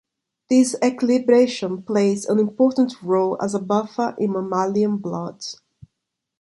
This equilibration plays an important role as a buffer in mammalian blood.